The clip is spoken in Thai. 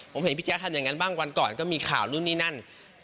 ผมเห็นพี่แจ๊คทำอย่างนั้นบ้างวันก่อนก็มีข่าวนู่นนี่นั่น